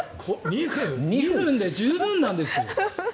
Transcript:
２分で十分なんですよ。